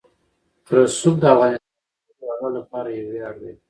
رسوب د افغانستان د ټولو هیوادوالو لپاره یو ویاړ دی.